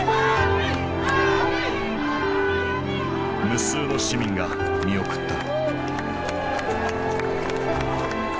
無数の市民が見送った。